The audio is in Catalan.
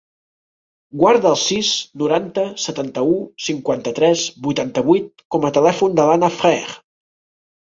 Guarda el sis, noranta, setanta-u, cinquanta-tres, vuitanta-vuit com a telèfon de l'Anna Freire.